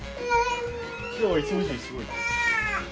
今日はいつも以上にすごいな。